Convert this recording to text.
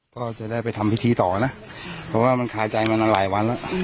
ก็จะได้ไปทำพิธีต่อนะเพราะว่ามันคาใจมานานหลายวันแล้ว